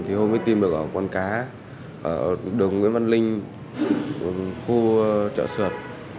thì hôm mới tìm được ở con cá ở đường nguyễn văn linh khu chợ sượt